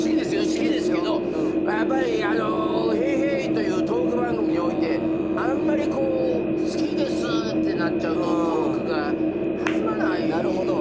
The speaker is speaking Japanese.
好きですけどやっぱり『ＨＥＹ！ＨＥＹ！ＨＥＹ！』というトーク番組においてあんまりこう「好きです」ってなっちゃうとトークが弾まないっていうのが。